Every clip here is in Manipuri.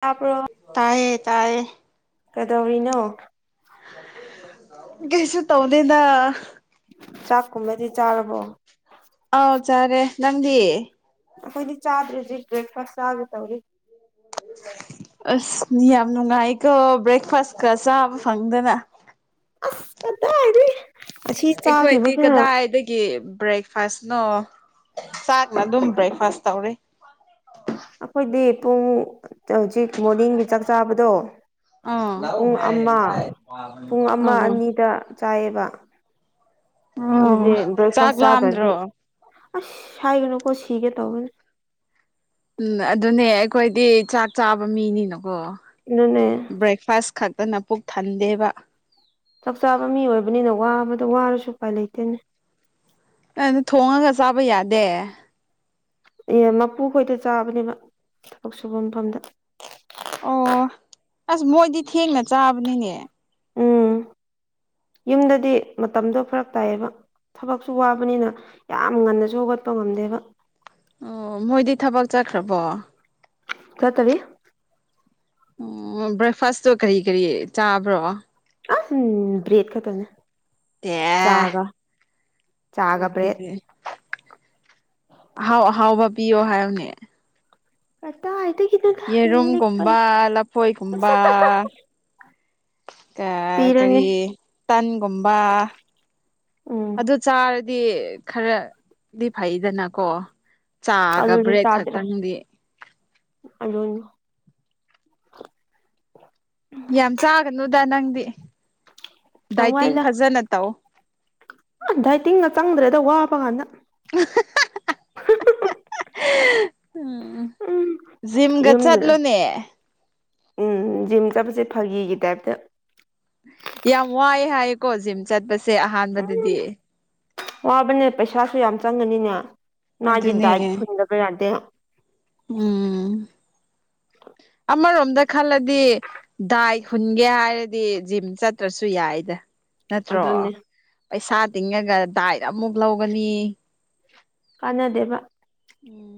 ꯇꯥꯄ꯭ꯔꯣ ꯇꯥꯏꯌꯦ ꯇꯥꯌꯦ ꯀꯗꯧꯔꯤꯅꯣ ꯀꯩꯁꯨ ꯇꯧꯗꯦꯗ ꯆꯥꯛꯀꯨꯝꯕꯗꯤ ꯆꯥꯔꯕꯣ ꯑꯧ ꯆꯔꯦ ꯅꯪꯗꯤ ꯑꯈꯣꯏꯗꯤ ꯆꯥꯗ꯭ꯔꯤ ꯖꯤꯛ ꯕ꯭ꯔꯦꯛꯐꯥꯁ ꯆꯥꯒꯦ ꯇꯧꯔꯤ ꯑꯁ ꯌꯥꯝ ꯅꯨꯡꯉꯥꯏꯀꯣ ꯕ꯭ꯔꯦꯛꯐꯥꯁꯀ ꯆꯥꯕ ꯐꯪꯗꯅ ꯑꯁ ꯀꯗꯥꯏꯗꯩ ꯑꯁꯤ ꯑꯩꯈꯣꯏꯗꯤ ꯆꯥꯈꯤꯕꯁꯤꯅ ꯀꯗꯥꯏꯗꯒꯤ ꯕ꯭ꯔꯦꯛꯐꯥꯁꯅꯣ ꯆꯥꯛ ꯃꯗꯨꯝ ꯕ꯭ꯔꯦꯛꯐꯥꯁ ꯇꯧꯔꯦ ꯑꯈꯣꯏꯗꯤ ꯄꯨꯡ ꯍꯧꯖꯤꯛ ꯃꯣꯔꯅꯤꯡꯒꯤ ꯆꯥꯛ ꯆꯥꯕꯗꯣ ꯑꯥ ꯑꯣ ꯄꯨꯡ ꯑꯃ ꯄꯨꯡ ꯑꯃ ꯑꯅꯤꯗ ꯆꯥꯏꯌꯦꯕ ꯑꯣ ꯑꯗꯨꯗꯤ ꯆꯥꯛ ꯕ꯭ꯔꯦꯛꯐꯥꯁ ꯆꯥꯗ꯭ꯔꯗꯤ ꯂꯥꯝꯗ꯭ꯔꯣ ꯑꯁ ꯍꯥꯏꯒꯅꯨꯀꯣ ꯁꯤꯒꯦ ꯇꯧꯕꯅꯤ ꯎꯝ ꯑꯗꯨꯅꯦ ꯑꯩꯈꯣꯏꯗꯤ ꯆꯥꯛ ꯆꯥꯕ ꯃꯤꯅꯤꯅꯀꯣ ꯗꯨꯅꯦ ꯕ꯭ꯔꯦꯛꯐꯥꯁ ꯈꯛꯇꯅ ꯄꯨꯛ ꯊꯟꯗꯦꯕ ꯆꯥꯛ ꯆꯥꯕ ꯃꯤ ꯑꯣꯏꯕꯅꯤꯅ ꯋꯥꯕꯗ ꯋꯥꯔꯁꯨ ꯎꯄꯥꯏ ꯂꯩꯇꯦꯅꯦ ꯅꯣꯏꯗꯨ ꯊꯣꯡꯉꯒ ꯆꯥꯕ ꯌꯥꯗꯦ ꯑꯦ ꯃꯄꯨ ꯈꯣꯏꯗ ꯆꯥꯕꯅꯦꯕ ꯊꯕꯛ ꯁꯨꯕ ꯃꯐꯝꯗ ꯑꯣ ꯑꯁ ꯃꯣꯏꯗꯤ ꯊꯦꯡꯅ ꯆꯥꯕꯅꯤꯅꯦ ꯎꯝ ꯌꯨꯝꯗꯗꯤ ꯃꯇꯝꯗꯣ ꯐꯔꯛ ꯇꯥꯏꯌꯦꯕ ꯊꯕꯛꯁꯨ ꯋꯥꯕꯅꯤꯅ ꯌꯥꯝ ꯉꯟꯅꯁꯨ ꯍꯧꯒꯠꯄ ꯉꯝꯗꯦꯕ ꯑꯣ ꯃꯣꯏꯗꯤ ꯊꯕꯛ ꯆꯠꯈ꯭ꯔꯕꯣ ꯆꯇꯔꯤ ꯎꯝ ꯕ꯭ꯔꯦꯛꯐꯥꯁꯇꯣ ꯀꯔꯤ ꯀꯔꯤ ꯆꯥꯕ꯭ꯔꯣ ꯑ ꯕ꯭ꯔꯦꯗ ꯈꯇꯅꯤ ꯑꯦ ꯆꯥꯒ ꯆꯥꯒ ꯕ꯭ꯔꯦꯗ ꯑꯗꯨꯗꯤ ꯑꯍꯥꯎ ꯑꯍꯥꯎꯕ ꯄꯤꯌꯣ ꯍꯥꯏꯌꯣꯅꯦ ꯀꯇꯥꯏꯇꯒꯤꯅꯣ ꯌꯦꯔꯨꯝꯒꯨꯝꯕ ꯂꯐꯣꯏꯒꯨꯝꯕ ꯁꯠ ꯁꯠ ꯁꯠ ꯑ ꯄꯤꯔꯅꯤ ꯀꯔꯤ ꯇꯟꯒꯨꯝꯕ ꯎꯝ ꯑꯗꯨ ꯆꯥꯔꯗꯤ ꯈꯔꯗꯤ ꯐꯩꯗꯅꯀꯣ ꯆꯥꯒ ꯑꯗꯨꯅ ꯕ꯭ꯔꯦꯗ ꯆꯗ꯭ꯔ ꯈꯛꯇꯪꯗꯤ ꯑꯗꯨ ꯌꯥꯝ ꯆꯥꯒꯅꯨꯗ ꯅꯪꯗꯤ ꯌꯥꯝ ꯗꯥꯏꯇꯤꯡ ꯐꯖꯅ ꯇꯧ ꯑ ꯗꯥꯏꯇꯤꯡꯒ ꯆꯪꯗ꯭ꯔꯦꯗ ꯋꯥꯕ ꯀꯥꯟꯗ [unintelligible] ꯎꯝ ꯎꯝ ꯖꯤꯝꯒ ꯌꯨꯝꯗ ꯆꯠꯂꯣꯅꯦ ꯎꯝ ꯖꯤꯝ ꯆꯠꯄꯁꯦ ꯐꯥꯒꯤꯒꯤ ꯇꯥꯏꯞꯇ ꯌꯥꯝ ꯋꯥꯏꯑꯦ ꯍꯥꯏꯌꯦꯀꯣ ꯖꯤꯝ ꯆꯠꯄꯁꯦ ꯎꯝ ꯑꯍꯥꯟꯕꯗꯗꯤ ꯋꯥꯕꯅꯦ ꯄꯩꯁꯥꯁꯨ ꯌꯥꯝ ꯆꯪꯒꯅꯤꯅꯦ ꯃꯥꯗꯤ ꯗꯥꯏꯠ ꯑꯗꯨꯅꯦ ꯍꯨꯟꯗꯕ ꯌꯥꯗꯦ ꯎꯝ [unintelligible] ꯑꯃꯥ ꯔꯣꯝꯗ ꯈꯟꯂꯥꯗꯤ ꯗꯥꯏ ꯍꯨꯟꯒꯦ ꯍꯥꯏꯔꯗꯤ ꯖꯤꯝ ꯆꯠꯇ꯭ꯔꯁꯨ ꯌꯥꯏꯗ ꯅꯠꯇ꯭ꯔꯣ ꯑꯗꯨꯅꯦ ꯄꯩꯁꯥ ꯇꯤꯡꯉꯒ ꯗꯥꯏꯠ ꯑꯃꯨꯛ ꯂꯧꯒꯅꯤ ꯀꯥꯟꯅꯗꯦꯕ ꯎꯝ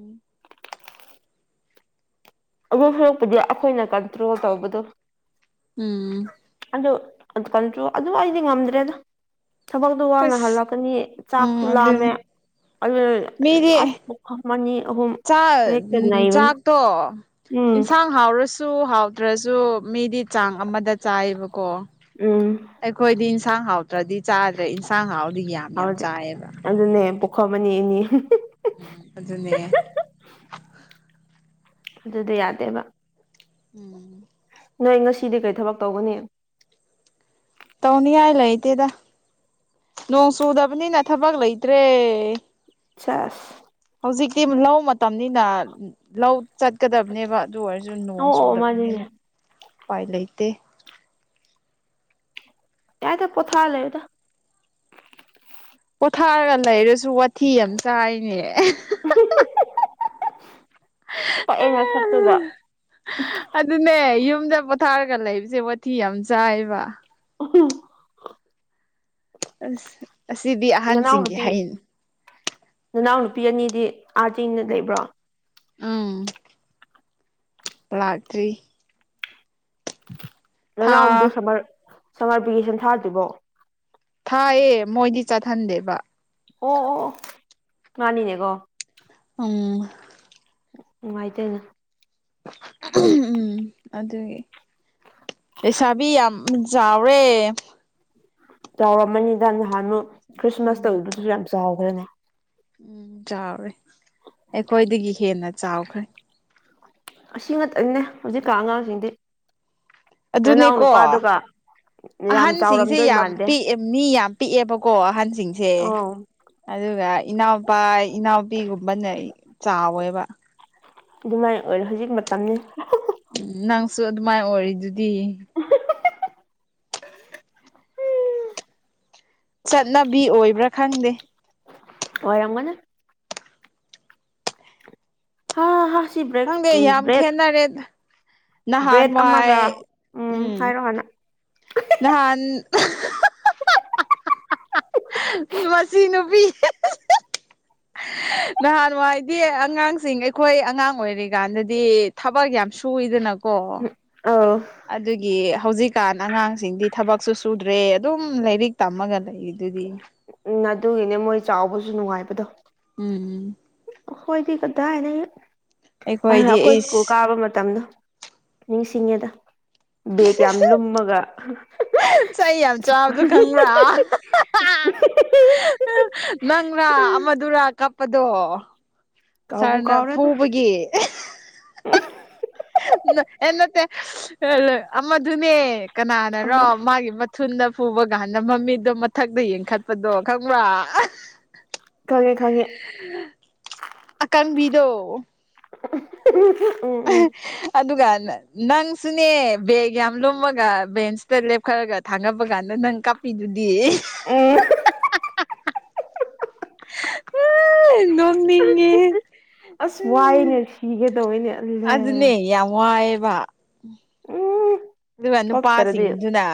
ꯑꯗꯨ ꯁꯥꯔꯛꯄꯎꯗꯤ ꯑꯩꯈꯣꯏꯅ ꯀꯟꯇ꯭ꯔꯣꯜ ꯇꯧꯕꯗꯣ ꯎꯝ ꯑꯗꯨꯣ ꯑꯗꯨ ꯀꯟꯣ ꯑꯗꯨ ꯑꯩꯗꯤ ꯉꯝꯗ꯭ꯔꯦ ꯗ ꯊꯕꯛꯇꯣ ꯋꯥꯡꯅ ꯑꯁ ꯍꯜꯂꯛꯀꯅꯤ ꯆꯥꯛꯇꯣ ꯎꯝ ꯑꯗꯨꯅꯦ ꯂꯥꯝꯃꯦ ꯑꯗꯨ ꯃꯤꯗꯤ ꯑꯁ ꯗꯝꯃꯅꯤ ꯑꯍꯨꯝ ꯆꯥꯛ ꯍꯦꯛꯇ ꯅꯩꯕꯅꯤ ꯆꯥꯛꯇꯣ ꯎꯝ ꯌꯦꯟꯁꯥꯡ ꯍꯥꯎꯔꯁ ꯆꯨ ꯍꯥꯎꯇ꯭ꯔꯁꯨ ꯃꯤꯗꯤ ꯆꯥꯡ ꯑꯃꯗ ꯆꯥꯏꯌꯦꯕꯀꯣ ꯎꯝ ꯑꯩꯈꯣꯏꯗꯤ ꯏꯟꯁꯥꯡ ꯍꯥꯎꯇ꯭ꯔꯗꯤ ꯆꯥꯗ꯭ꯔꯦ ꯏꯟꯁꯥꯡ ꯍꯥꯎꯗ ꯌꯥ ꯍꯗ꯭ꯔꯦ ꯑꯗꯨꯅꯦ ꯄꯣꯛꯈꯣꯃ ꯑꯅꯤ ꯑꯅꯤ ꯎꯝ ꯑꯗꯨꯅꯦ ꯑꯗꯨꯗꯤ ꯌꯥꯗꯦꯕ ꯎꯝ ꯅꯣꯏ ꯉꯁꯤꯗꯤ ꯀꯩ ꯊꯕꯛ ꯇꯧꯒꯅꯤ ꯇꯧꯅꯤꯡꯉꯥꯏ ꯂꯩꯇꯦꯗ ꯅꯣꯡ ꯆꯨꯗꯕꯅꯤꯅ ꯊꯕꯛ ꯂꯩꯇ꯭ꯔꯦ ꯁꯒ ꯍꯧꯖꯤꯛꯇꯤ ꯝ ꯂꯧ ꯇꯝꯅꯤꯅ ꯂꯧ ꯆꯠꯀꯗꯕꯅꯦꯕ ꯑꯗꯨ ꯑꯣꯏꯔꯁꯨ ꯅꯣꯡ ꯑꯣ ꯑꯣ ꯃꯥꯅꯤꯅꯦ ꯆꯨꯗꯕꯅꯤꯅ ꯎꯄꯥꯏ ꯂꯩꯇꯦ ꯌꯥꯏꯗꯥ ꯄꯤꯊꯥ ꯂꯩꯦꯗ ꯄꯣꯊꯥꯔꯒ ꯂꯩꯔꯁꯨ ꯋꯥꯊꯤ ꯌꯥꯝ ꯆꯥꯏꯅꯦ ꯄꯥꯀꯦ ꯅꯥꯁꯀ ꯇꯨꯒꯥ ꯑꯗꯨꯅꯦ ꯌꯨꯝꯗ ꯄꯣꯊꯥꯔꯒ ꯂꯩꯕꯁꯦ ꯋꯥꯊꯤ ꯌꯥꯝ ꯆꯥꯏꯕ [unintelligible] ꯑꯁ ꯑꯁꯤꯗꯤ ꯑꯍꯟꯁꯤꯡꯒꯤ ꯍꯥꯏ ꯅꯅꯥꯎ ꯅꯨꯄꯤ ꯑꯅꯤꯗꯤ ꯑꯥ ꯆꯤꯡꯗ ꯂꯩꯕ꯭ꯔꯣ ꯎꯝ ꯂꯛꯇꯔꯤ ꯅꯅꯥꯎꯄꯤ ꯊꯥ ꯁꯝꯃꯔ ꯁꯝꯃꯔ ꯚꯦꯀꯦꯁꯟ ꯊꯥꯗ꯭ꯔꯤꯕꯣ ꯊꯥꯏꯌꯦ ꯃꯣꯏꯗꯤ ꯆꯠꯍꯟꯗꯦꯕ ꯑꯣ ꯑꯣ ꯃꯥꯅꯤꯅꯦꯀꯣ ꯎꯡ ꯅꯨꯡꯉꯥꯏꯇꯦꯅ [unintelligible] ꯎꯝ ꯑꯗꯨꯒꯤ ꯂꯩꯁꯥꯕꯤ ꯌꯥꯝ ꯆꯥꯎꯔꯦ ꯆꯥꯎꯔꯝꯃꯅꯤꯗ ꯅꯍꯥꯟꯃꯨꯛ ꯈ꯭ꯔꯤꯁꯃꯥꯁ ꯎꯝ ꯇꯧꯕꯗꯁꯨ ꯌꯥꯝ ꯆꯥꯎꯈ꯭ꯔꯦꯅꯦ ꯎꯝ ꯆꯥꯎꯔꯦ ꯑꯩꯈꯣꯏꯗꯒꯤ ꯍꯦꯟꯅ ꯆꯥꯎꯈ꯭ꯔꯦ ꯑꯁꯤ ꯉꯛꯇꯅꯦ ꯍꯧꯖꯤꯛꯀꯥꯟ ꯑꯉꯥꯡꯁꯤꯡꯗꯤ ꯅꯅꯥꯎ ꯑꯗꯨꯅꯦꯀꯣ ꯅꯨꯄꯥꯗꯨꯒ ꯌꯥꯝ ꯑꯍꯟꯁꯤꯡꯁꯦ ꯆꯥꯎꯔꯝꯗꯣꯏ ꯌꯥꯝ ꯃꯥꯟꯗꯦ ꯄꯤꯛꯑꯦ ꯃꯤ ꯌꯥꯝ ꯄꯤꯛꯑꯦꯕꯀꯣ ꯑꯍꯟꯁꯤꯡꯁꯦ ꯑꯧ ꯑꯗꯨꯒ ꯏꯅꯥꯎꯄꯥ ꯏꯅꯥꯎꯄꯤꯒꯨꯝꯕꯅ ꯆꯥꯎꯋꯦꯕ ꯑꯗꯨꯃꯥꯏꯅ ꯑꯣꯏꯔꯣ ꯍꯧꯖꯤꯛ ꯃꯇꯝꯅꯤ ꯅꯪꯁꯨ ꯑꯗꯨꯃꯥꯏ ꯑꯣꯏꯔꯤꯗꯨꯗꯤ ꯆꯠꯅꯕꯤ ꯑꯣꯏꯕ꯭ꯔꯥ ꯈꯪꯗꯦ ꯑꯣꯢꯔꯝꯒꯅꯤ ꯍꯥꯥ ꯍꯥ ꯁꯤ ꯕ꯭ꯔꯦꯛ ꯈꯪꯗꯦ ꯎꯝ ꯌꯥꯝ ꯕ꯭ꯔꯦꯗ ꯈꯦꯠꯅꯔꯦ ꯕ꯭ꯔꯦꯗ ꯅꯍꯥꯟꯋꯥꯏ ꯑꯃꯒ ꯎꯝ ꯍꯥꯏꯔꯣ ꯍꯥꯟꯅ ꯅꯍꯥꯟ [unintelligible] [unintelligible] ꯃꯁꯤ ꯅꯨꯨꯄꯤ [unintelligible] ꯅꯍꯥꯟ ꯋꯥꯏꯗꯤ ꯑꯉꯥꯡꯁꯤꯡ ꯑꯩꯈꯣꯏ ꯑꯉꯥꯡ ꯑꯣꯏꯔꯤꯀꯥꯟꯗꯗꯤ ꯊꯕꯛ ꯌꯥꯝ ꯁꯨꯏꯋꯤꯗꯅꯀꯣ ꯑ ꯑꯗꯨꯒꯤ ꯍꯧꯖꯤꯛꯀꯥꯟ ꯑꯉꯥꯡꯁꯤꯡꯗꯤ ꯊꯕꯛꯁꯨ ꯁꯨꯗ꯭ꯔꯦ ꯑꯗꯨꯝ ꯂꯥꯏꯔꯤꯛ ꯇꯝꯃꯒ ꯂꯩꯔꯤꯗꯨꯗꯤ ꯎꯝ ꯅꯗꯨꯒꯤꯅꯦ ꯃꯣꯏ ꯆꯥꯎꯕꯁꯨ ꯅꯨꯡꯉꯥꯏꯕꯗꯣ ꯎꯝ ꯎꯝ ꯈꯣꯏꯗꯤ ꯀꯗꯥꯏꯗꯩ ꯑꯩꯈꯣꯏꯗꯤ ꯑꯩꯈꯣꯏ ꯁ꯭ꯀꯨꯜ ꯏꯁ ꯀꯥꯕ ꯃꯇꯝꯗꯣ ꯅꯤꯡꯁꯤꯡꯉꯦꯗ ꯕꯦꯒ ꯌꯥꯝ ꯂꯨꯝꯃꯒ ꯆꯩ ꯌꯥꯝ ꯆꯥꯕꯗꯣ ꯈꯪꯕ꯭ꯔꯥ [unintelligible] ꯅꯪꯔꯥ ꯑꯃꯗꯨꯔ ꯀꯞ ꯄꯗꯣ ꯀꯥꯎꯕꯨ ꯁꯥꯔꯅ ꯀꯥꯎꯔꯦꯗ ꯐꯨꯕꯒꯤ ꯍꯦ ꯅꯠꯇꯦ ꯑꯃꯗꯨꯅꯦ ꯀꯅꯥꯅꯔꯣ ꯑꯃ ꯃꯥꯒꯤ ꯃꯠ ꯊꯨꯟꯗ ꯐꯨꯕꯒ ꯍꯟꯗ ꯃꯤꯗꯣ ꯃꯠ ꯃꯊꯛꯇ ꯌꯦꯡꯈꯠꯄꯗꯣ ꯈꯪꯕ꯭ꯔꯥ ꯈꯪꯉꯦ ꯈꯪꯉꯦ [unintelligible] ꯑꯀꯪꯕꯤꯗꯣ [unintelligible] ꯎꯝ ꯎꯝ ꯑꯗꯨꯒ ꯅꯪꯁꯨꯅꯦ ꯕꯦꯒ ꯌꯥꯝ ꯂꯨꯝꯃꯒ ꯕꯦꯟꯁꯇ ꯂꯦꯞꯈꯠꯂꯒ ꯊꯥꯒꯠꯕ ꯀꯥꯟꯗ ꯅꯪ ꯀꯞꯄꯤꯗꯨꯗꯤ ꯑꯨꯝ [unintelligible] ꯅꯣꯛꯅꯤꯡꯉꯦꯍꯦ ꯑꯁ ꯋꯥꯏꯌꯦꯅꯦ ꯁꯤꯒꯦ ꯇꯧꯋꯦꯅꯦ ꯑꯜꯂꯦ ꯑꯗꯨꯅꯦ ꯌꯥꯝ ꯋꯥꯏꯌꯦꯕ ꯎꯝ ꯗꯨꯃꯦ ꯀꯞꯇ꯭ꯔꯗꯤ ꯅꯨꯄꯥꯁꯤꯡꯗꯨꯅ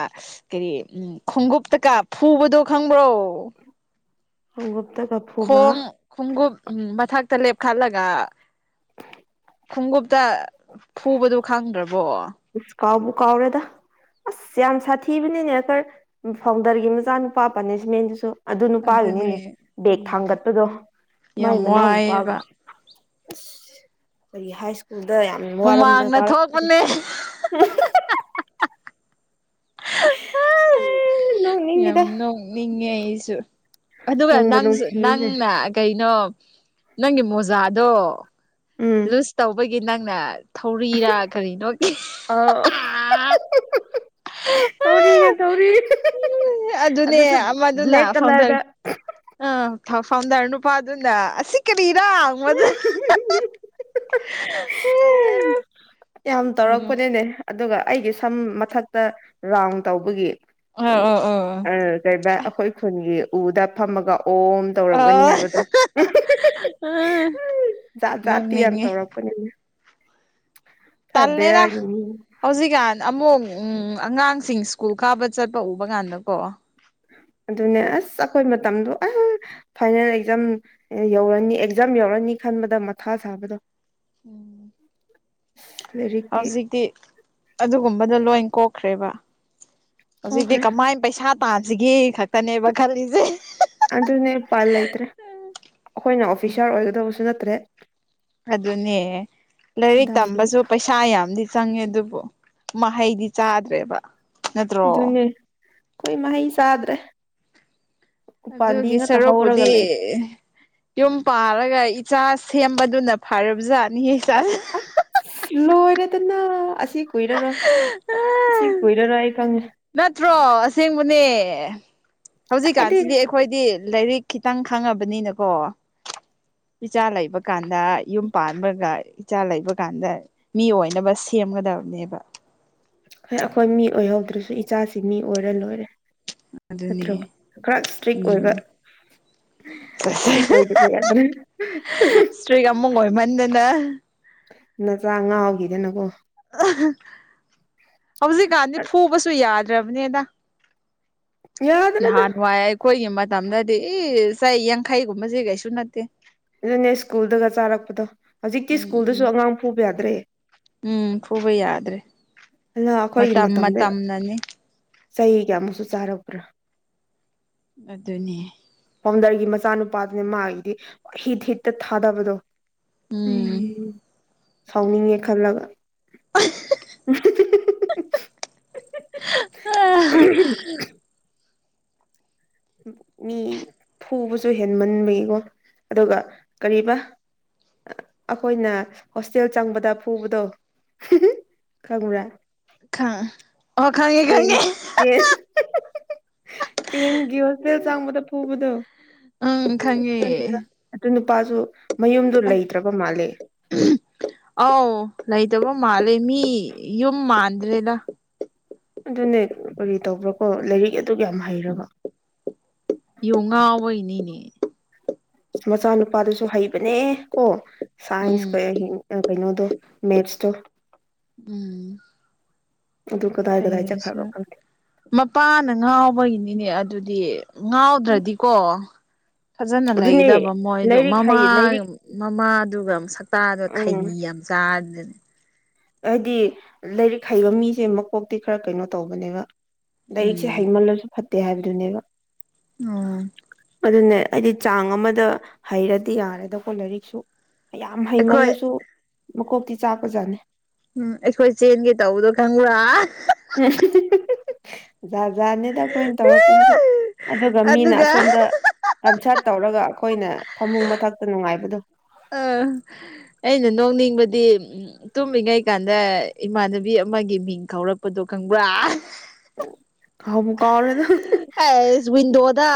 ꯀꯔꯤ ꯎꯝ ꯈꯣꯡꯎꯞꯇꯀꯥ ꯐꯨꯕꯗꯣ ꯈꯪꯕ꯭ꯔꯣ ꯈꯣꯡꯎꯞꯇ ꯀꯐꯨꯕ ꯈꯣꯡ ꯈꯣꯡꯎꯞ ꯃꯊꯛꯇ ꯂꯦꯞꯈꯠꯂꯒ ꯈꯣꯡꯎꯞꯇ ꯐꯨꯕꯗꯨꯣ ꯈꯪꯗ꯭ꯔꯕꯣ ꯀꯥꯎꯕꯨ ꯀꯥꯎꯔꯦꯗ ꯑꯁ ꯌꯥꯝ ꯁꯥꯊꯤꯕꯅꯤꯅꯦ ꯐꯥꯎꯟꯗꯔꯒꯤ ꯃꯆꯥꯅꯨꯄꯥ ꯄꯅꯤꯁꯃꯦꯟꯗꯨꯁꯨ ꯑꯗꯨ ꯅꯨꯄꯥꯒꯤꯅꯤꯅꯦ ꯑꯗꯨꯅꯦ ꯕꯦꯒ ꯎꯝ ꯊꯥꯡꯒꯠꯄꯗꯣ ꯃꯥꯏ ꯌꯥꯝ ꯃꯅꯥꯎ ꯅꯨꯄꯥꯒ ꯋꯥꯏꯑꯦꯕ ꯑꯁ ꯀꯔꯤ ꯍꯥꯏ ꯁ꯭ꯀꯨꯜꯗ ꯌꯥꯝ ꯍꯨꯃꯥꯡꯅ ꯊꯣꯛꯄꯅꯦ [unintelligible] ꯑꯦ ꯌꯥꯝ ꯅꯣꯛꯅꯤꯡꯉꯤꯗ ꯅꯣꯛꯅꯤꯡꯉꯦ ꯑꯩꯁꯨ ꯑꯗꯨꯒ ꯅꯨꯡꯕꯨ ꯅꯪꯁꯨ ꯅꯨꯡꯁꯤꯌꯦ ꯅꯪꯅ ꯀꯩꯅꯣ ꯅꯪꯒꯤ ꯃꯣꯖꯥꯗꯣ ꯎꯝ ꯄꯨꯁ ꯇꯧꯕꯒꯤ ꯅꯪꯅ ꯊꯧꯔꯤꯔꯥ ꯀꯔꯤꯅꯣ ꯑ [unintelligible] ꯊꯧꯔꯤꯅꯦ ꯊꯧꯔꯤ ꯑꯗꯨꯅꯦ ꯑꯗꯨꯁꯨ ꯕ꯭ꯂꯦꯛ ꯀꯂꯔꯗ ꯑꯥ [unintelligible] ꯐꯥꯎꯟꯗꯔ ꯅꯨꯄꯥꯗꯨꯅ ꯑꯁꯤ ꯀꯔꯤꯔꯥ ꯍꯪꯗꯕꯣ [unintelligible] ꯌꯥꯝ ꯎꯝ ꯇꯧꯔꯛꯄꯅꯤꯅꯦ ꯑꯗꯨꯒ ꯑꯩꯒꯤ ꯁꯝ ꯃꯊꯛꯇ ꯔꯥꯎꯟ ꯇꯧꯕꯒꯤ ꯑ ꯑ ꯀꯩꯕ ꯑꯩꯈꯣꯏ ꯈꯨꯟꯒꯤ ꯎꯗ ꯐꯝꯃꯒ ꯑꯣꯝ ꯑ ꯇꯧꯔꯝꯒꯅꯤ ꯍꯥꯏꯕꯗꯣ ꯑ [unintelligible] ꯖꯥꯠ ꯖꯥꯠꯇꯤ ꯌꯥꯝ ꯅꯣꯡꯅꯤꯡꯉꯦ ꯇꯧꯔꯛꯄꯅꯤꯅ ꯇꯜꯂꯦꯗ ꯕꯦꯔꯥꯒꯤꯅꯤ ꯍꯧꯖꯤꯛꯀꯥꯟ ꯑꯃꯨꯛ ꯎꯝ ꯑꯉꯥꯡꯁꯤꯡ ꯁ꯭ꯀꯨꯜ ꯀꯥꯕ ꯆꯠꯄ ꯎꯕ ꯀꯥꯟꯗꯀꯣ ꯑꯗꯨꯅꯦ ꯑꯁ ꯑꯩꯈꯣꯏ ꯃꯇꯝꯗꯣ ꯑ ꯐꯥꯏꯅꯦꯜ ꯑꯦꯛꯖꯥꯝ ꯌꯧꯔꯅꯤ ꯑꯦꯛꯖꯥꯝ ꯌꯧꯔꯅꯤ ꯈꯟꯕꯗ ꯃꯊꯥ ꯁꯥꯕꯗꯣ ꯎꯝ ꯂꯥꯏꯔꯤꯛꯇꯤ ꯍꯧꯖꯤꯛꯇꯤ ꯑꯗꯨꯒꯨꯝꯕꯗꯣ ꯂꯣꯏ ꯀꯣꯛꯈ꯭ꯔꯦꯕ ꯍꯧꯖꯤꯛꯇꯤ ꯀꯣꯈ꯭ꯔꯦ ꯀꯃꯥꯏ ꯄꯩꯁꯥ ꯇꯥꯁꯤꯒꯦ ꯈꯛꯇꯅꯦꯕ ꯈꯜꯂꯤꯁꯦ ꯑꯗꯨꯅꯦ [unintelligible] ꯂꯩꯇ꯭ꯔꯦ ꯑꯩꯈꯣꯏꯅ ꯑꯣꯐꯤꯁꯥꯔ ꯑꯣꯏꯒꯗꯕꯁꯨ ꯅꯠꯇ꯭ꯔꯦ ꯑꯗꯨꯅꯦ ꯂꯥꯏꯔꯤꯛ ꯀꯗꯥꯏꯗꯒꯤ ꯇꯝꯕꯁꯨ ꯄꯩꯁꯥ ꯁꯥ ꯌꯥꯝꯗꯤ ꯆꯪꯉꯦ ꯑꯗꯨꯕꯨ ꯃꯍꯩꯗꯤ ꯆꯥꯗ꯭ꯔꯦꯕ ꯅꯠꯇ꯭ꯔꯣ ꯑꯗꯨꯅꯦ ꯑꯩꯈꯣꯏ ꯃꯍꯩ ꯆꯥꯗ꯭ꯔꯦ ꯎꯄꯥꯝꯕꯤ ꯑꯗꯨꯒꯤ ꯉꯥꯛꯇ ꯍꯧꯔꯒ ꯁꯔꯨꯛꯄꯨꯗꯤ ꯂꯩꯔꯦ ꯌꯨꯝ ꯄꯥꯜꯂꯒ ꯏꯆꯥ ꯁꯦꯝꯕꯗꯨꯅ ꯐꯔꯕꯖꯥꯠꯅꯤ [unintelligible] ꯂꯣꯏꯔꯦꯗꯅ ꯑꯁꯤ ꯀꯨꯏꯔꯔꯣꯏ ꯑꯁꯤ ꯀꯨꯏꯔꯔꯣꯏ ꯑꯩ ꯈꯪꯉꯦ ꯅꯠꯇ꯭ꯔꯣ ꯑꯁꯦꯡꯕꯅꯦ ꯀꯥꯏꯗꯩ ꯍꯧꯖꯤꯛꯀꯥꯟꯁꯤꯗꯤ ꯑꯩꯈꯣꯏꯗꯤ ꯂꯥꯏꯔꯤꯛ ꯈꯤꯇꯪ ꯈꯪꯉꯕꯅꯤꯅꯀꯣ ꯏꯆꯥ ꯂꯩꯕ ꯀꯥꯟꯗ ꯌꯨꯝ ꯄꯥꯟꯕꯒ ꯏꯆꯥ ꯂꯩꯕ ꯀꯥꯟꯗ ꯃꯤ ꯑꯣꯏꯅꯕ ꯁꯦꯝꯒꯗꯕꯅꯦꯕ ꯍꯣꯏ ꯑꯩꯈꯣꯏ ꯃꯤ ꯑꯣꯏꯍꯧꯗ꯭ꯔꯁꯨ ꯏꯆꯥꯁꯤꯡ ꯃꯤ ꯑꯣꯏꯔ ꯂꯣꯏꯔꯦ ꯑꯗꯨꯅꯦ ꯅꯠꯇ꯭ꯔꯣ ꯈꯔ ꯏꯁꯇ꯭ꯔꯤꯛ ꯎꯝ ꯑꯣꯏꯕ ꯏꯁꯇ꯭ꯔꯤꯛ ꯑꯣꯏꯗꯕ ꯌꯥꯗ꯭ꯔꯦ [unintelligible] ꯏꯁꯇ꯭ꯔꯤꯛ ꯑꯃꯨꯛ ꯑꯣꯏꯃꯟꯗꯅ ꯅꯆꯥ ꯉꯥꯎꯈꯤꯗꯅꯀꯣ ꯍꯧꯖꯤꯛꯀꯥꯟꯗꯤ ꯐꯨꯕꯁꯨ ꯌꯥꯗ꯭ꯔꯕꯅꯤꯗ ꯌꯥꯗ꯭ꯔꯦꯗ ꯅꯍꯥꯟ ꯋꯥꯏ ꯑꯩꯈꯣꯏꯒꯤ ꯃꯇꯝꯗꯗꯤ ꯏꯁ ꯆꯩ ꯌꯥꯡꯈꯩꯒꯨꯝꯕꯁꯦ ꯀꯩꯁꯨ ꯅꯠꯇꯦ ꯑꯗꯨꯅꯦ ꯁ꯭ꯀꯨꯜꯗꯒ ꯆꯥꯔꯛꯄꯗꯣ ꯍꯧꯖꯤꯛꯇꯤ ꯎꯝ ꯎꯝ ꯁ꯭ꯀꯨꯜꯗꯁꯨ ꯑꯉꯥꯡ ꯐꯨꯕ ꯌꯥꯗ꯭ꯔꯦ ꯎꯝ ꯐꯨꯕ ꯌꯥꯗ꯭ꯔꯦ ꯑꯗꯨꯅ ꯑꯩꯈꯣꯏꯒꯤ ꯃꯇꯝ ꯃꯇꯝꯗ ꯃꯇꯝꯅꯅꯤ ꯆꯩ ꯀꯌꯥꯃꯨꯛꯁꯨ ꯆꯥꯔꯛꯄ꯭ꯔꯥ ꯑꯗꯨꯅꯦ ꯐꯥꯎꯟꯗꯔꯒꯤ ꯃꯆꯥꯅꯨꯄꯥꯗꯨꯅꯤ ꯃꯥꯒꯤꯗꯤ ꯍꯤꯠ ꯍꯤꯠꯇ ꯊꯥꯗꯕꯗꯣ ꯎꯝ ꯁꯥꯎꯅꯤꯡꯉꯦ ꯈꯜꯂꯒ [unintelligible] [unintelligible] ꯃꯤ ꯐꯨꯕꯁꯨ ꯍꯦꯟꯃꯟꯕꯒꯤꯀꯣ ꯑꯗꯨꯒ ꯀꯔꯤꯕ ꯑꯈꯣꯢꯅ ꯍꯣꯁꯇꯦꯜ ꯆꯪꯕꯗ ꯐꯨꯕꯗꯣ ꯈꯪꯕ꯭ꯔꯥ ꯈꯪ ꯇꯦꯟ ꯇꯦꯟ ꯇꯦꯟꯒꯤ ꯍꯣꯁꯇꯦꯜ ꯆꯪꯕꯗ ꯐꯨꯕꯗꯣ ꯎꯝ ꯈꯪꯉꯦ ꯈꯪꯗꯔ ꯑꯗꯨ ꯅꯨꯄꯥꯖꯨ ꯃꯌꯨꯝꯗꯨ ꯂꯩꯇ꯭ꯔꯕ ꯃꯥꯜꯂꯦ ꯑꯧ ꯂꯩꯇꯕ ꯃꯥꯜꯂꯦ ꯃꯤ ꯌꯨꯝ ꯃꯥꯟꯗ꯭ꯔꯦꯗ ꯑꯗꯨꯅꯦ ꯀꯔꯤ ꯇꯧꯕ꯭ꯔꯥꯀꯣ ꯂꯥꯢꯔꯤꯛ ꯑꯗꯨꯛ ꯌꯥꯝ ꯍꯩꯔꯒ ꯌꯣꯡ ꯉꯥꯎꯕꯩꯅꯤꯅꯦ ꯃꯆꯥꯅꯨꯄꯥꯗꯨꯁꯨ ꯍꯩꯕꯅꯦ ꯀꯣ ꯁꯥꯏꯟꯁ ꯎꯝ ꯀ ꯑ ꯀꯩꯅꯣꯗꯣ ꯃꯦꯞꯁꯇꯣ ꯎꯝ ꯑꯗꯨ ꯀꯗꯥꯏ ꯀꯗꯥꯏ ꯐꯩꯔꯁꯨ ꯆꯠꯈ꯭ꯔꯕ ꯈꯪꯗꯦ ꯃꯄꯥꯅ ꯉꯥꯎꯕꯒꯤꯅꯤꯅꯦ ꯑꯗꯨꯗꯤ ꯉꯥꯎꯗ꯭ꯔꯗꯤꯀꯣ ꯐꯖꯅ ꯑꯗꯨꯅꯦ ꯂꯩꯒꯗꯕ ꯃꯣꯢꯗꯣ ꯂꯥꯏꯔꯤꯛ ꯃꯃꯥ ꯍꯩ ꯂꯥꯏꯔꯤꯛ ꯃꯃꯥꯗꯨꯒ ꯁꯛꯇꯥꯗꯨ ꯈꯩꯅꯤ ꯌꯥꯝ ꯆꯥꯔꯗꯅ ꯍꯥꯢꯗꯤ ꯂꯥꯢꯔꯤꯛ ꯍꯩꯕ ꯃꯤꯁꯦ ꯃꯀꯣꯛꯇꯤ ꯈꯔ ꯀꯩꯅꯣ ꯇꯧꯕꯅꯦꯕ ꯂꯥꯢꯔꯤꯛꯁꯦ ꯎꯝ ꯍꯩꯃꯜꯂꯁꯨ ꯐꯠꯇꯦ ꯍꯥꯢꯕꯗꯨꯅꯦꯕ ꯎꯝ ꯑꯗꯨꯅꯦ ꯑꯩꯗꯤ ꯆꯥꯡ ꯑꯃꯗ ꯍꯩꯔꯗꯤ ꯌꯥꯔꯦꯗꯀꯣ ꯂꯥꯢꯔꯤꯛꯁꯨ ꯌꯥꯝ ꯑꯩꯈꯣꯏ ꯍꯩꯃꯜꯂꯖꯨ ꯃꯀꯣꯛꯇꯤ ꯆꯥꯛꯄꯖꯥꯠꯅꯤ ꯎꯝ ꯑꯩꯈꯣꯢ ꯆꯦꯟꯒꯦ ꯇꯧꯕꯗꯣ ꯈꯪꯕ꯭ꯔꯥ [unintelligible] ꯖꯥꯠ ꯖꯥꯅꯦꯗ ꯑꯩꯈꯣꯢꯅ ꯇꯧꯔꯛꯄꯗꯨꯁꯨ ꯑꯗꯨꯒ ꯃꯤꯅ ꯑꯁꯣꯝꯗ ꯀꯟꯁꯠ ꯇꯧꯔꯒ ꯑꯈꯣꯢꯅ ꯐꯃꯨꯡ ꯃꯊꯛꯇ ꯅꯨꯡꯉꯥꯢꯕꯗꯣ ꯑ ꯑꯩꯅ ꯅꯣꯛꯅꯤꯡꯕꯗꯤ ꯎꯝ ꯇꯨꯝꯃꯤꯉꯩꯀꯥꯟꯗ ꯏꯃꯥꯟꯅꯕꯤ ꯑꯃꯒꯤ ꯃꯤꯡ ꯈꯧꯔꯛꯄꯗꯣ ꯈꯪꯕ꯭ꯔꯥ ꯀꯥꯎꯕꯨ ꯀꯥꯎꯔꯦꯗ ꯑꯁ ꯋꯤꯟꯗꯣ ꯗ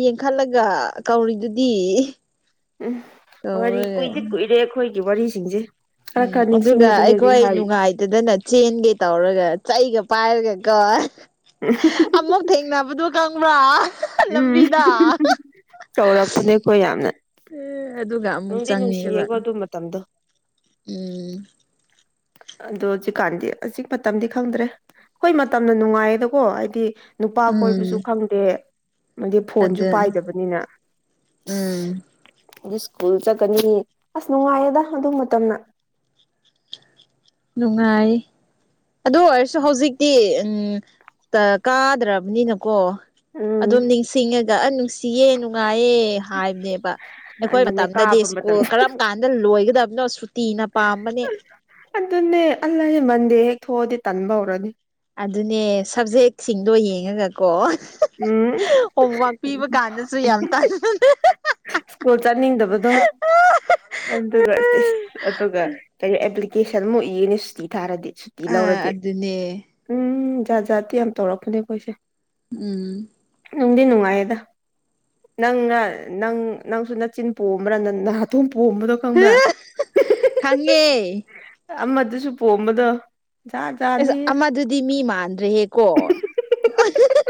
ꯌꯦꯡꯈꯠꯂꯒ ꯀꯧꯔꯤꯗꯨꯗꯤ ꯎꯝ ꯋꯥꯔꯤ ꯇꯧꯔꯒ ꯀꯨꯢꯗꯤ ꯀꯨꯢꯔꯦ ꯑꯈꯣꯢꯒꯤ ꯋꯥꯔꯤꯁꯤꯡꯖꯦ ꯎꯝ ꯑꯗꯨꯒ ꯑꯩꯈꯣꯢ ꯅꯨꯡꯉꯥꯢ ꯇꯗꯅ ꯆꯦꯟꯒꯦ ꯇꯧꯔꯒ ꯆꯩꯒ ꯄꯥꯢꯔꯒ ꯀꯣ [unintelligible] ꯑꯃꯨꯛ ꯊꯦꯡꯅꯕꯗꯨ ꯈꯪꯕ꯭ꯔꯥ ꯎꯝ ꯂꯕꯤꯗ ꯀꯧꯔꯛꯄꯅꯦ ꯑꯩꯈꯣꯏ ꯌꯥꯝꯅ ꯑꯦ ꯑꯗꯨꯒ ꯑꯃꯨꯛ ꯅꯨꯡꯗꯤ ꯆꯪꯉꯦꯕ ꯅꯨꯡꯁꯤꯌꯦꯀꯣ ꯑꯗꯨ ꯃꯇꯝꯗꯣ ꯎꯝ ꯑꯗꯣ ꯍꯧꯖꯤꯛꯀꯥꯟꯗꯤ ꯍꯧꯖꯤꯛ ꯃꯇꯝꯗꯤ ꯈꯪꯗ꯭ꯔꯦ ꯈꯣꯢ ꯃꯇꯝꯅ ꯅꯨꯡꯉꯥꯢꯌꯦꯗꯀꯣ ꯍꯥꯢꯗꯤ ꯅꯨꯄꯥ ꯎꯝ ꯀꯣꯢꯕꯁꯨ ꯈꯪꯗꯦ ꯑꯃꯗꯤ ꯐꯣꯟꯁꯨ ꯑꯗꯨ ꯄꯥꯏꯗꯕꯅꯤꯅ ꯎꯝ ꯑ ꯑꯗꯨ ꯁ꯭ꯀꯨꯜ ꯆꯠꯀꯅꯤ ꯑꯁ ꯅꯨꯡꯉꯥꯏꯌꯦꯗ ꯑꯗꯨ ꯃꯇꯝꯅ ꯅꯨꯡꯉꯥꯏ ꯑꯗꯨ ꯑꯣꯏꯔꯁꯨ ꯍꯧꯖꯤꯛꯇꯤ ꯎꯝ ꯀꯥꯗ꯭ꯔꯕꯅꯤꯅꯀꯣ ꯎꯝ ꯑꯗꯨꯝ ꯅꯤꯡꯁꯤꯡꯉꯒ ꯑ ꯅꯨꯡꯁꯤꯌꯦ ꯅꯨꯡꯉꯥꯏꯌꯦ ꯍꯥꯏꯕꯅꯦꯕ ꯑꯩꯈꯣꯏ ꯑꯗꯨꯅꯦ ꯃꯇꯝꯗꯗꯤ ꯀꯥꯕ ꯁꯀꯨꯜ ꯃꯇꯝꯗ ꯀꯔꯝ ꯀꯥꯟꯗ ꯂꯣꯏꯒꯗꯕꯅꯣ ꯁꯨꯇꯤꯅ ꯄꯥꯝꯕꯅꯦ ꯑꯗꯨꯅꯦ ꯑꯜꯁ ꯃꯟꯗꯦ ꯍꯦꯛ ꯊꯣꯛꯑꯗꯤ ꯇꯟꯕ ꯍꯧꯔꯅꯤ ꯑꯗꯨꯅꯦ ꯁꯕꯖꯦꯛꯁꯤꯡꯗꯣ ꯌꯦꯡꯉꯒꯀꯣ ꯎꯝ ꯍꯣꯝꯋꯛ ꯄꯤꯕ ꯀꯥꯟꯗꯁꯨ ꯌꯥꯝ ꯇꯥꯟꯕꯅꯤ ꯁꯀꯣ ꯆꯠꯅꯤꯡꯗꯕꯗꯣ ꯑꯗꯨꯒ ꯑꯗꯨꯒ ꯀ ꯑꯦꯄ꯭ꯂꯤꯀꯦꯁꯟꯃꯨꯛ ꯏꯅꯦ ꯁꯨꯇꯤ ꯊꯥꯔꯗꯤ ꯇꯤ ꯑꯥ ꯂꯧꯔꯗꯤ ꯑꯗꯨꯅꯦ ꯎꯝ ꯖꯥꯠ ꯖꯥꯠꯇꯤ ꯌꯥꯝ ꯇꯧꯔꯛꯄꯅꯦ ꯑꯩꯈꯣꯏꯁꯦ ꯎꯝ ꯅꯨꯡꯗꯤ ꯅꯨꯡꯉꯥꯏꯌꯦꯗ ꯅꯪꯅ ꯅꯪ ꯅꯪꯁꯨ ꯅꯅꯥꯆꯤꯟ ꯄꯣꯝꯕ꯭ꯔꯥ ꯅ ꯅ ꯍꯥꯊꯣꯡ ꯄꯣꯝꯕꯗꯣ ꯈꯪꯕ꯭ꯔꯥ ꯈꯪꯉꯦ ꯑꯃꯗꯨꯁꯨ ꯄꯣꯝꯕꯗꯣ ꯖꯥꯠ ꯑꯦꯁ ꯖꯥꯠꯅꯤ ꯑꯃꯗꯨꯗꯤ ꯃꯤ ꯃꯥꯟꯗ꯭ꯔꯦꯍꯦꯀꯣ